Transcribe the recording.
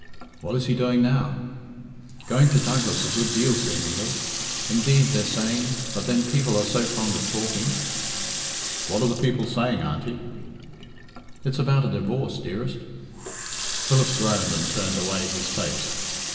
"What is he doing now?" "Going to Douglas a good deal seemingly. Indeed, they're saying but then people are so fond of talking." "What are people saying, Auntie?" "It's about a divorce, dearest!" Philip groaned and turned away his face.